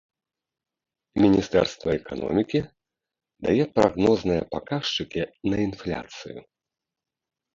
Міністэрства эканомікі дае прагнозныя паказчыкі на інфляцыю.